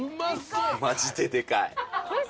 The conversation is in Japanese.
マジででかい。